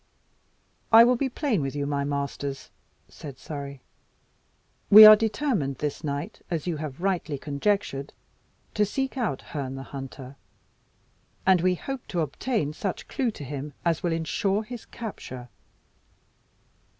"I will be plain with you, my masters," said Surrey. "We are determined this night, as you have rightly conjectured, to seek out Herne the Hunter; and we hope to obtain such clue to him as will ensure his capture.